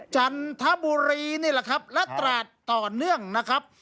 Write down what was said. จันทบุรีนี่แหละครับและตราดต่อเนื่องนะครับ